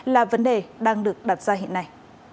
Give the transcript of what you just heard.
là vấn đề đang được đặt ra hiện nay